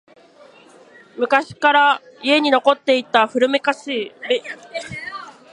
昔から家に残っていた古めかしい、便箋でしかも婆さんはあまり手紙を書いたことがなくって……